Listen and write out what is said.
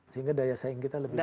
sehingga daya saing kita lebih baik